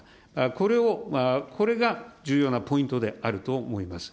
これを、これが重要なポイントであると思います。